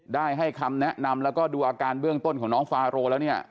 ได้ให้คำแนะนำแล้วก็ดูอาการเบื้องต้นของน้องฟาโรแล้วเนี่ย